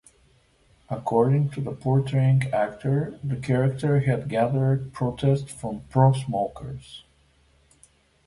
According to the portraying actor, the character had garnered protest from "pro-smokers".